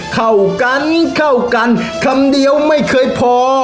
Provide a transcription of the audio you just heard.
เข้ากันเข้ากันคำเดียวไม่เคยพอ